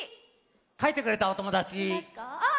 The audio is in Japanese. かいてくれたおともだち？あっ！